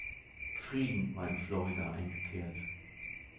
Frieden war in Florida eingekehrt.